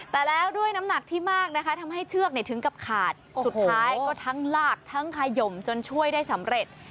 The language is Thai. แต่แล้วด้วยน้ำหนักที่มากนะคะทำให้เชือกถึงกับขาดสุดท้ายก็ทั้งลากทั้งขยมจนช่วยได้สำเร็จ